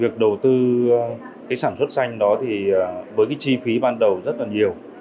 cái sản xuất xanh đó thì với cái chi phí ban đầu rất là nhiều